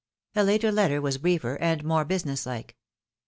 A later letter was briefer and more business like.